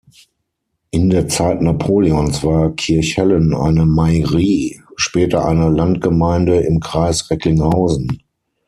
In der Zeit Napoleons war Kirchhellen eine Mairie, später eine Landgemeinde im Kreis Recklinghausen.